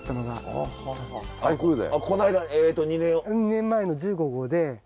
２年前の１５号で。